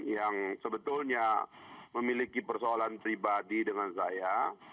yang sebetulnya memiliki persoalan pribadi dengan saya